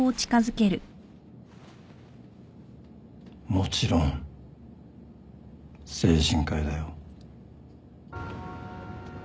もちろん精神科医だよ。